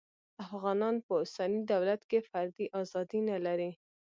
افغانان په اوسني دولت کې فردي ازادي نلري